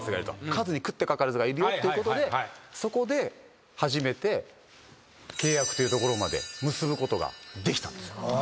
カズに食ってかかるやつがいるよっていうことでそこで初めて契約というところまで結ぶことができたんですよ。